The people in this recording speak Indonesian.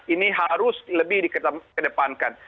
ini harus lebih dikedepankan